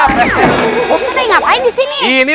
pak ustaz ngapain disini